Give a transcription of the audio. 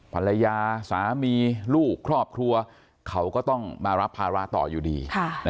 ภรรยาสามีลูกครอบครัวเขาก็ต้องมารับภาระต่ออยู่ดี